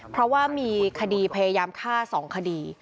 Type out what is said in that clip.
เพราะว่ามีคดีพยายามฆ่า๒คดี